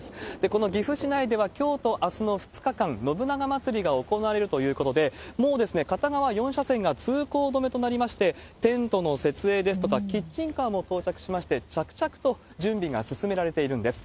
この岐阜市内では、きょうとあすの２日間、信長まつりが行われるということで、もう片側４車線が通行止めとなりまして、テントの設営ですとか、キッチンカーも到着しまして、着々と準備が進められているんです。